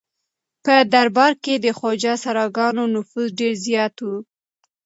په دربار کې د خواجه سراګانو نفوذ ډېر زیات و.